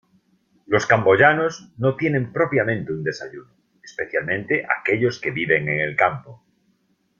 Los camboyanos no tienen propiamente un desayuno, especialmente aquellos que viven en el campo.